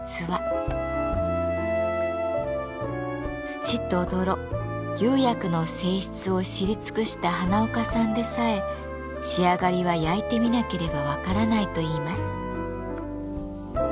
土と泥釉薬の性質を知り尽くした花岡さんでさえ仕上がりは焼いてみなければ分からないといいます。